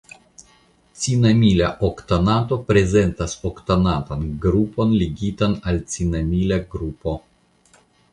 Cinamila oktanato prezentas oktanatan grupon ligitan al cinamila grupo.